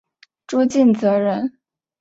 朱敬则人。